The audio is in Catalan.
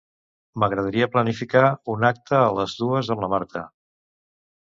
M'agradaria planificar un acte a les dues amb la Marta.